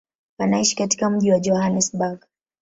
Anaishi katika mji wa Johannesburg.